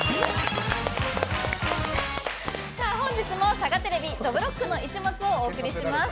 本日もサガテレビ「どぶろっくの一物」をお届けします。